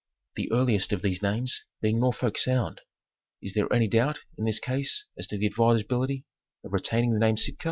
The earliest of these names being Norfolk Sound. Is there any doubt in this case as to the advisability of retaining the name Sitka